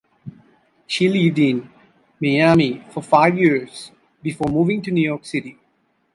She lived in Miami for five years before moving to New York City.